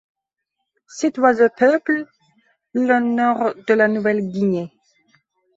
Cet oiseau peuple le nord de la Nouvelle-Guinée.